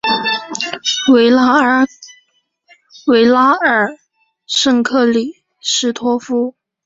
维拉尔圣克里斯托夫。